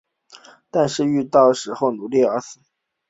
但是到时候你努力到死